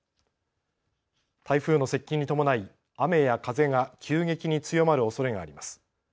台風の接近に伴い雨や風が急激に強まるおそれがあります。